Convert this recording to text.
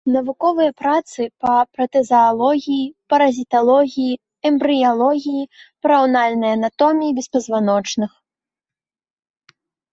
Навуковыя працы па протазаалогіі, паразіталогіі, эмбрыялогіі, параўнальнай анатоміі беспазваночных.